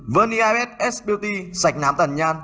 verniabet s beauty sạch nám tàn nhan